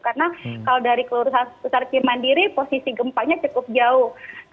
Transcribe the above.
karena kalau dari kelurusan sesar cimandiri posisi gempanya cukup jauh